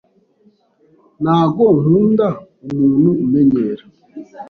Nago nkunda umuntu umenyera